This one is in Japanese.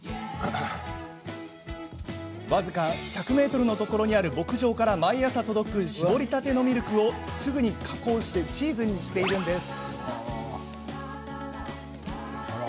僅か１００ｍのところにある牧場から毎朝届く搾りたてのミルクを、すぐに加工してチーズにしているんです。